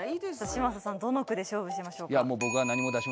嶋佐さんどの句で勝負しましょうか？